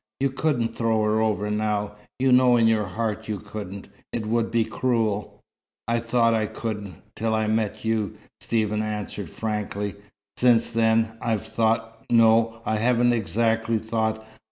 You couldn't throw her over now, you know in your heart you couldn't. It would be cruel." "I thought I couldn't, till I met you," Stephen answered frankly. "Since then, I've thought no, I haven't exactly thought.